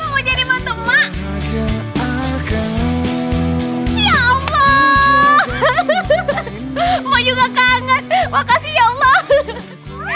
mau juga kangen makasih ya allah